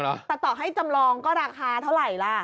ต่อให้จำลองก็ราคาเท่าไหร่ล่ะ